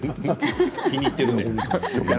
気に入っているね。